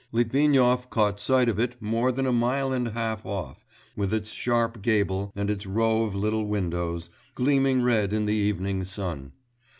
Litvinov caught sight of it more than a mile and a half off, with its sharp gable, and its row of little windows, gleaming red in the evening sun.